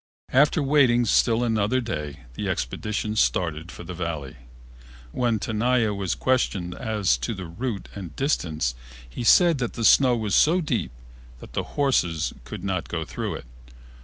After waiting still another day the expedition started for the Valley. When Tenaya was questioned as to the route and distance he said that the snow was so deep that the horses could not go through it.